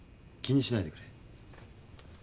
気にしないでくれ。